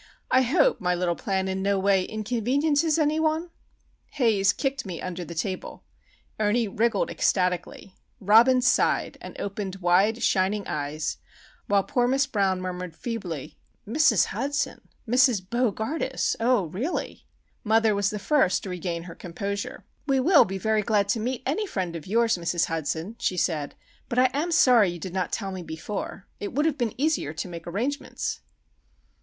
I hope my little plan in no way inconveniences any one?" Haze kicked me under the table. Ernie wriggled ecstatically. Robin sighed, and opened wide, shining eyes; while poor Miss Brown murmured feebly,— "Mrs. Hudson! Mrs. Bo gardus! oh really!" Mother was the first to regain her composure. "We will be very glad to meet any friend of yours, Mrs. Hudson," she said; "but I am sorry you did not tell me before. It would have been easier to make arrangements."